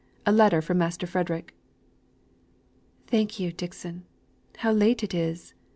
A letter from Master Frederick." "Thank you, Dixon. How late it is!"